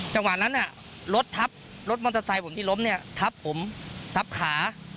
จังหวะนั้นรถทับรถมอเตอร์ไซค์ผมที่ล้มเนี่ยทับผมทับขา